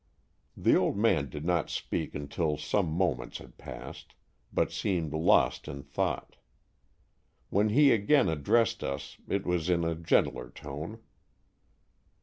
The old man did not speak until some moments had passed, but seemed lost in thought. When he again addressed us it was in a gentler tone.